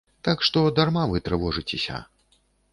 Так што дарма вы трывожыцеся.